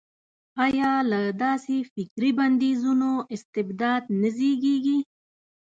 ایا له داسې فکري بندیزونو استبداد نه زېږي.